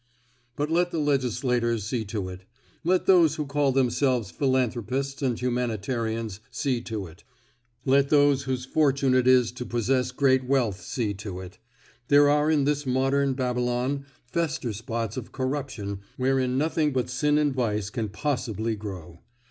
But let the legislators see to it; let those who call themselves philanthropists and humanitarians see to it; let those whose fortune it is to possess great wealth see to it. There are in this modern Babylon fester spots of corruption wherein nothing but sin and vice can possibly grow.